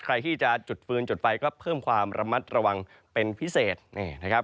ใครที่จะจุดฟืนจุดไฟก็เพิ่มความระมัดระวังเป็นพิเศษนี่นะครับ